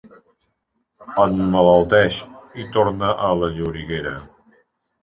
Emmalalteix i torna a la lloriguera.